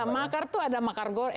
makar tuh ada makar goreng